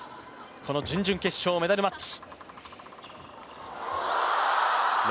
この準々決勝メダルマッチ。